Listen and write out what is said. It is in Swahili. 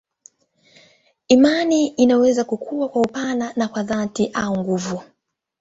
Imani inaweza kukua kwa upana na kwa dhati au nguvu.